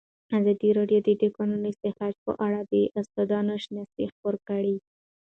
ازادي راډیو د د کانونو استخراج په اړه د استادانو شننې خپرې کړي.